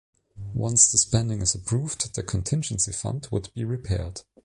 Once the spending is approved the contingency fund would be repaid.